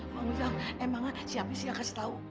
pak muzang emang si api siapa yang kasih tahu